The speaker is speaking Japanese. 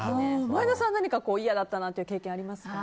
前田さん何か嫌だった経験ありますか？